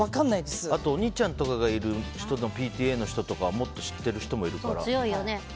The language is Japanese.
あとお兄ちゃんとかがいるＰＴＡの人とかはもっと知っている人もいるから。